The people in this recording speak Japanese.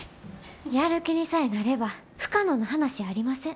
やる気にさえなれば不可能な話やありません。